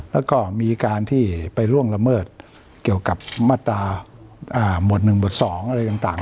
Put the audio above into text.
แล้วก็มีการที่ไปล่วงละเมิดเกี่ยวกับมาตราหมวด๑หมวด๒อะไรต่าง